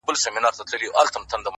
د انسان قدر په کړنو څرګندېږي،